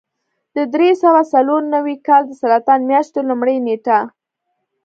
د درې سوه څلور نوي کال د سرطان میاشتې لومړۍ نېټه.